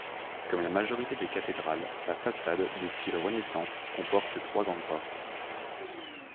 Comme la majorité des cathédrales, la façade, de style Renaissance, comporte trois grandes portes.